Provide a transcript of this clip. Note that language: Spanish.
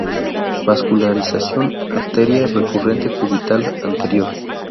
Vascularización: arteria recurrente cubital anterior